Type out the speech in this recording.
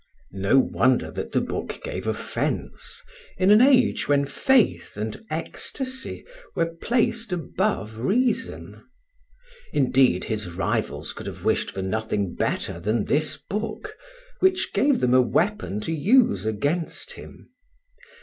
No wonder that the book gave offense, in an age when faith and ecstasy were placed above reason. Indeed, his rivals could have wished for nothing better than this book, which gave them a weapon to use against him.